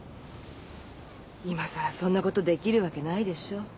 今さらそんなことできるわけないでしょ。